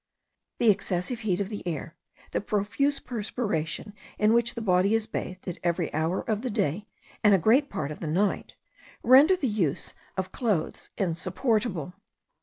The excessive heat of the air, the profuse perspiration in which the body is bathed at every hour of the day and a great part of the night, render the use of clothes insupportable.